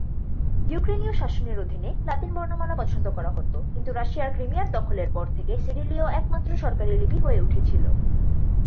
ইউক্রেনীয় শাসনের অধীনে, লাতিন বর্ণমালা পছন্দ করা হতো, কিন্তু রাশিয়ার ক্রিমিয়ার দখলের পর থেকে সিরিলীয় একমাত্র সরকারী লিপি হয়ে উঠেছিল।